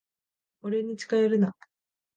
俺に近寄るな。